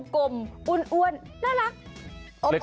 กลมอ้วนน่ารัก